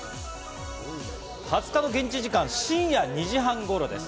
２０日の現地時間、深夜２時半頃です。